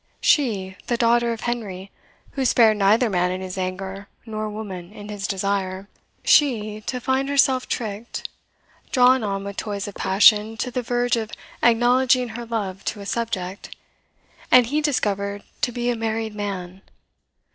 She, the daughter of Henry, who spared neither man in his anger nor woman in his desire she to find herself tricked, drawn on with toys of passion to the verge of acknowledging her love to a subject, and he discovered to be a married man!